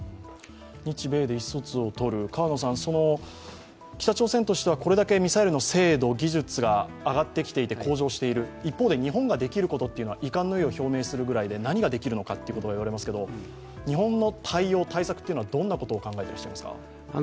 日米で意思疎通をとる、北朝鮮としては、これだけミサイルの制度・技術が上がってきて向上している、一方で日本ができるというのは遺憾の意を表明するぐらいで何ができるのかといわれますけど、日本の対応・対策はどんなことを考えていらっしゃいますか？